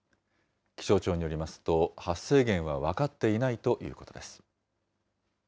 気象庁によりますと、発生源は分かっていないということです。